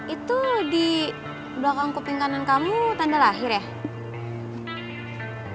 itu di belakang koping kanan kamu tanda lahir ya